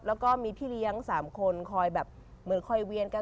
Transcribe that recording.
แล้วก็มีพี่เลี้ยง๓คนคอยเวียนกัน